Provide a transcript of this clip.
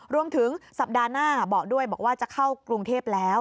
รวมถึงสัปดาห์หน้าบอกด้วยบอกว่าจะเข้ากรุงเทพแล้ว